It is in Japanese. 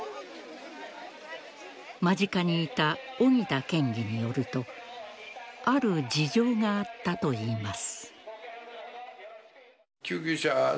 間近にいた荻田県議によるとある事情があったといいます。